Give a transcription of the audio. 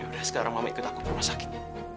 udah sekarang mama ikut aku ke rumah sakit